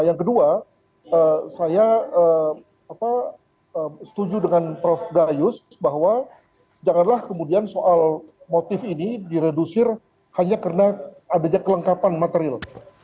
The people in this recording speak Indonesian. yang kedua saya setuju dengan prof gayus bahwa janganlah kemudian soal motif ini diredusir hanya karena adanya kelengkapan material